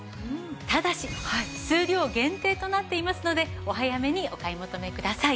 ただし数量限定となっていますのでお早めにお買い求めください。